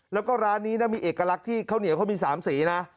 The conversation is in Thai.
แล้วก็ร้านนี้นะมีเอกลักษณ์ที่ข้าวเหนียวเขามี๓สีนะ